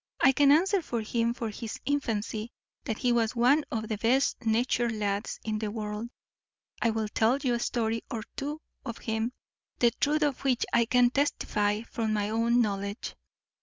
I can answer for him from his infancy, that he was one of the best natured lads in the world. I will tell you a story or two of him, the truth of which I can testify from my own knowledge.